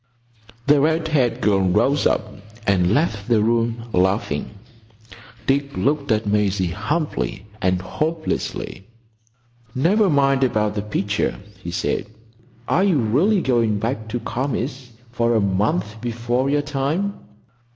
The red haired girl rose up and left the room, laughing. Dick looked at Maisie humbly and hopelessly. "Never mind about the picture," he said. "Are you really going back to Kami's for a month before your time?"